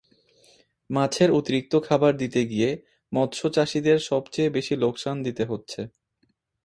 মাছের অতিরিক্ত খাবার দিতে গিয়ে মৎস্যচাষিদের সবচেয়ে বেশি লোকসান দিতে হচ্ছে।